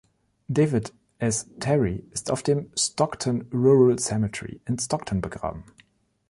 David S. Terry ist auf dem Stockton Rural Cemetery in Stockton begraben.